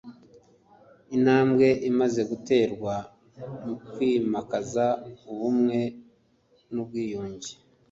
intambwe imaze guterwa mu kwimakaza ubumwe n’bwiyunge